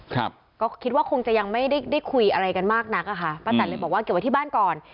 ครับก็คิดว่าคงจะยังไม่ได้ได้คุยอะไรกันมากนักอ่ะค่ะป้าแตนเลยบอกว่าเก็บไว้ที่บ้านก่อน